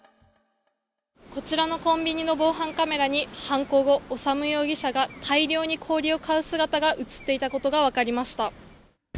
こちらのコンビニの防犯カメラに、犯行後、修容疑者が大量に氷を買う姿が写っていたことが分かりました。